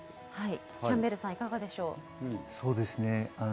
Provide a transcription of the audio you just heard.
キャンベルさん、いかがでしょう。